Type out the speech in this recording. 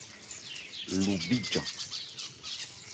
Lo bíjan.